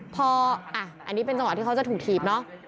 พออันนี้เป็นจังหวะที่เขาจะถูกถีบเนอะ